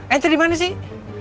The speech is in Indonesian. ente dimana sih